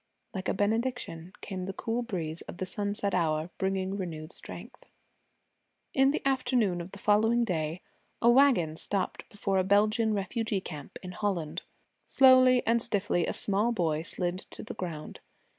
Like a benediction came the cool breeze of the sunset hour, bringing renewed strength. In the afternoon of the following day, a wagon stopped before a Belgian Refugee camp in Holland. Slowly and stiffly a small boy slid to the ground.